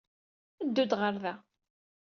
Ddu-d ɣer da!